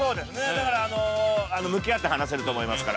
だからあのー、向き合って話せると思いますから。